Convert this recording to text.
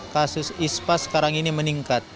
kasus ispa sekarang ini meningkat